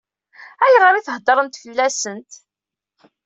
Ayɣer i theddṛemt fell-asent?